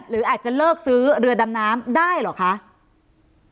หรืออาจจะเลิกซื้อเรือดำน้ำได้เหรอคะ